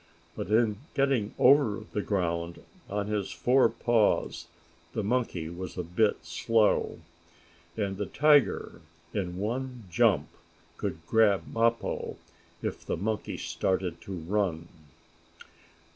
But in getting over the ground on his four paws the monkey was a bit slow. And the tiger, in one jump could grab Mappo if the monkey started to run.